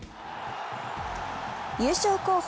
優勝候補